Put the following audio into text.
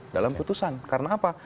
dalam keputusan karena apa